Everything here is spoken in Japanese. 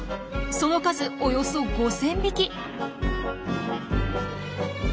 その数およそ５，０００匹。